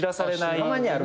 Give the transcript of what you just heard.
たまにあるな。